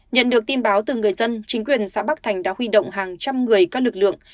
nhận được tin báo từ người dân chính quyền xã bắc thành đã huy động hàng trăm người các lực lượng